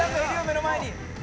目の前に！